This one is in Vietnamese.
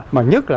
mà nhất là